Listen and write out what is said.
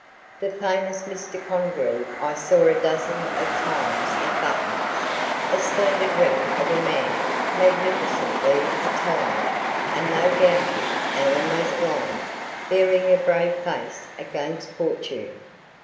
The famous Mr. Congreve I saw a dozen of times at Button's, a splendid wreck of a man, magnificently attired, and though gouty, and almost blind, bearing a brave face against fortune.